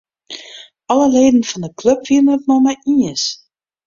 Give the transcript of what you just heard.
Alle leden fan 'e klup wiene it mei my iens.